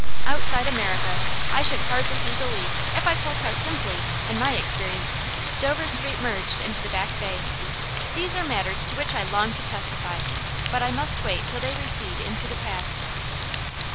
Outside America I should hardly be believed if I told how simply, in my experience, Dover Street merged into the Back Bay. These are matters to which I long to testify, but I must wait till they recede into the past.